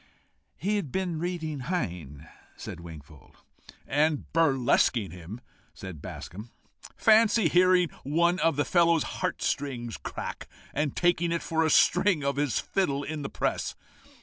"He had been reading Heine," said Wingfold. "And burlesquing him," returned Bascombe. "Fancy hearing one of the fellow's heart strings crack, and taking it for a string of his fiddle in the press!